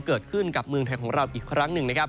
เกิดขึ้นกับเมืองไทยของเราอีกครั้งหนึ่งนะครับ